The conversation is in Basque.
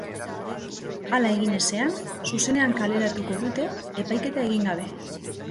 Hala egin ezean, zuzenean kaleratuko dute, epaiketa egin gabe.